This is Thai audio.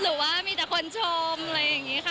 หรือว่ามีแต่คนชมอะไรอย่างนี้ค่ะ